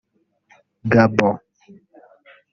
Gabon